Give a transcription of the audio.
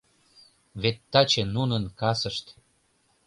Вет таче нунын касышт...